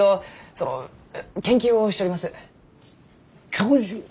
教授？